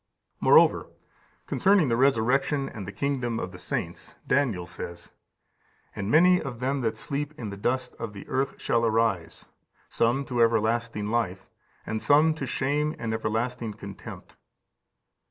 15531553 Rom. i. 17. 65. Moreover, concerning the resurrection and the kingdom of the saints, Daniel says, "And many of them that sleep in the dust of the earth shall arise, some to everlasting life, (and some to shame and everlasting contempt)."